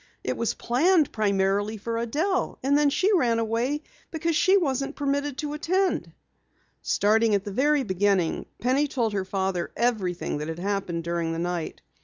It was planned primarily for Adelle and then she ran away because she wasn't permitted to attend." Starting at the very beginning, Penny told her father everything that had happened during the night.